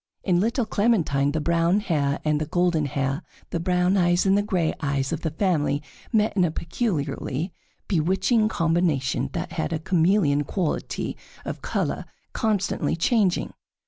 In little Clementine the brown hair and the golden hair, the brown eyes and the gray eyes, of the family met in a peculiarly bewitching combination that had a chameleon quality of color constantly changing.